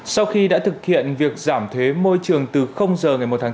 sau khi đã thực hiện việc giảm thuế môi trường từ giờ ngày một tháng chín